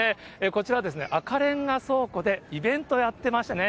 こちら、赤レンガ倉庫でイベントやってますね。